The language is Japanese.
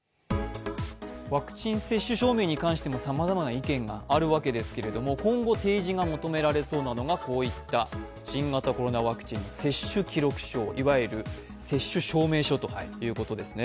ワクチン接種証明に関してもさまざまな意見がありますけど今後、提示が求められそうなのが、新型コロナワクチン接種記録書、いわゆる接種証明書です。